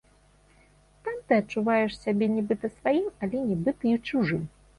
Там ты адчуваеш сябе нібыта сваім, але нібыта і чужым.